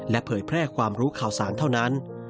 เผยแพร่ความรู้ข่าวสารเท่านั้น